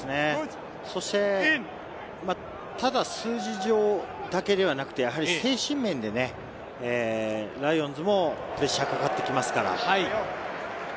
そして数字上だけではなくて、精神面でライオンズもプレッシャーかかってきますから。